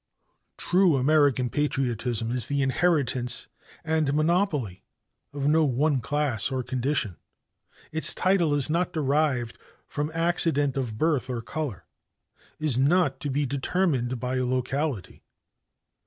"True American patriotism is the inheritance and monopoly of no one class or condition. Its title is not derived from accident of birth or color, is not to be determined by locality.